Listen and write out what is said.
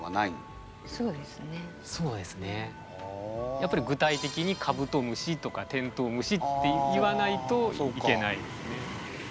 やっぱり具体的に「かぶとむし」とか「てんとうむし」って言わないといけないですね。